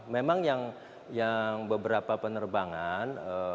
memang yang beberapa penerbangan